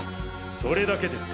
それだけですか？